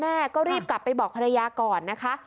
แม่ก็รีบกลับไปบอกภรรยาก่อนนะคะ